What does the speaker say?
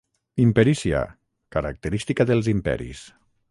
Imperícia: "Característica dels imperis".